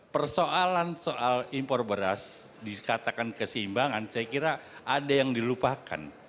persoalan soal impor beras dikatakan keseimbangan saya kira ada yang dilupakan